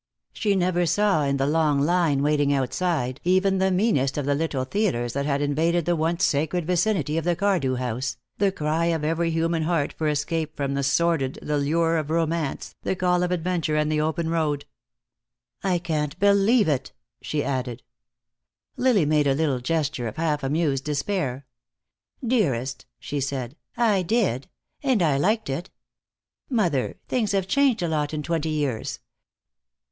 She never saw, in the long line waiting outside even the meanest of the little theaters that had invaded the once sacred vicinity of the Cardew house, the cry of every human heart for escape from the sordid, the lure of romance, the call of adventure and the open road. "I can't believe it," she added. Lily made a little gesture of half amused despair. "Dearest," she said, "I did. And I liked it. Mother, things have changed a lot in twenty years.